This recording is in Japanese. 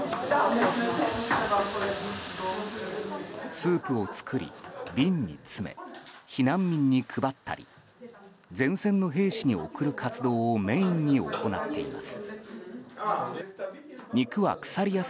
スープを作り、瓶に詰め避難民に配ったり前線の兵士に送る活動をメインに行っています。